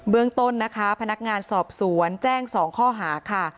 เรื่องต้นนะคะพนักงานสอบสวนแจ้ง๒ข้อหาค่ะ